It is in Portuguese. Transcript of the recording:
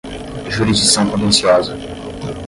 jurisdição contenciosa